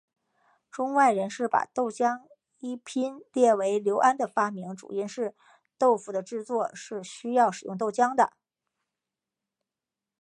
中外人士把豆浆一拼列为刘安的发明主因是豆腐的制作是需要使用豆浆的。